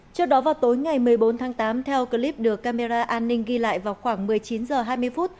trước đó vào tối ngày một mươi bốn tháng tám theo clip được camera an ninh ghi lại vào khoảng một mươi chín h hai mươi phút